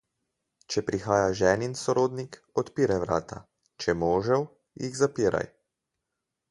Če prihaja ženin sorodnik, odpiraj vrata, če možev, jih zapiraj.